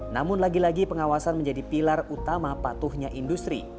namun lagi lagi pengawasan menjadi pilar utama patuhnya industri